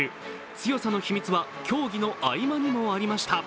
強さの秘密は競技の合間にもありました。